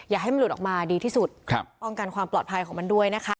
อย่าให้มันหลุดออกมาดีที่สุดป้องกันความปลอดภัยของมันด้วยนะคะ